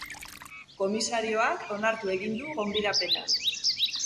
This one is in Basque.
Komisarioak onartu egin du gonbidapena.